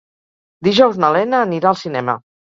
Dijous na Lena anirà al cinema.